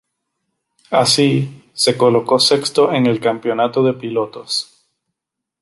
Así, se colocó sexto en el campeonato de pilotos.